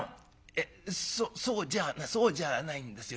「えそっそうじゃそうじゃあないんですよ。